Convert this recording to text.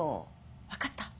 分かった？